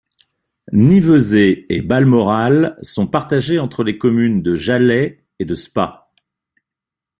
Nivezé et Balmoral sont partagés entre les communes de Jalhay et de Spa.